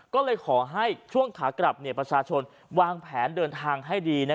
ก็เลยขอให้ช่วงขากลับประชาชนวางแผนเดินทางให้ดี